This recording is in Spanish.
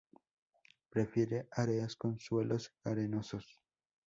Prefiere áreas con suelos arenosos.